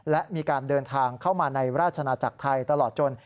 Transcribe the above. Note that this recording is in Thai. และมีการเดินทางเข้ามาในราชนาจักรไทยตลอดจน